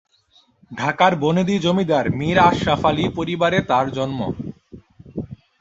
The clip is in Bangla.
ঢাকার বনেদি জমিদার মীর আশরাফ আলী পরিবারে তাঁর জন্ম।